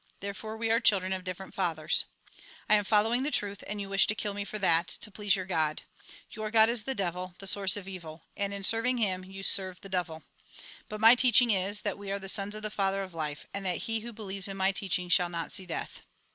Therefore we are children of diflerent Fathers." " I am following the truth, and you wish to kill me for that, to please your God. Your God is the devil, the souice of evil ; and in serving him, you serve the devil. But my teaching is, that we are the sons of the Father of life, and that he who believes in my teaching shall not see death."